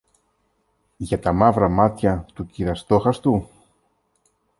Για τα μαύρα μάτια του κυρ-Αστόχαστου;